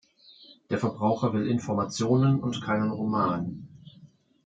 Der Verbraucher will Informationen und keinen Roman.